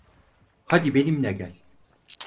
Hadi benimle gel.